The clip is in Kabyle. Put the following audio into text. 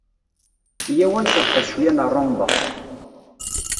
Yya-w ad nceḍḥet cwiyya n ṛṛamba.